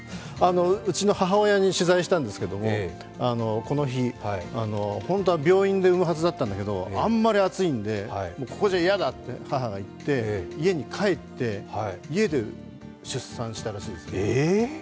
うちの母親に取材したんですけど、この日本当は病院で産むはずだったんだけど、あんまり暑いんでここじゃ嫌だって母が言って家に帰って、家で出産したらしいです。